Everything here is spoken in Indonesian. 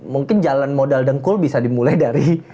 mungkin jalan modal dengkul bisa dimulai dari